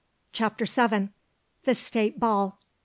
CHAPTER VII. THE STATE BALL.